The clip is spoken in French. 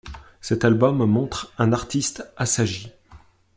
Cet album montre un artiste assagi.